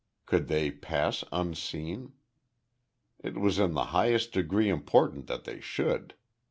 Could they pass unseen? It was in the highest degree important that they should.